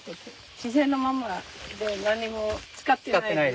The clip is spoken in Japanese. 自然のまんまで何にも使ってないの？